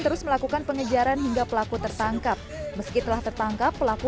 terus melakukan pengejaran hingga pelaku tertangkap meski telah tertangkap pelaku